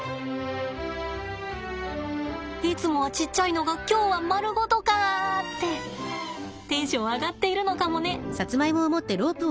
いつもはちっちゃいのが今日は丸ごとかってテンション上がっているのかもね。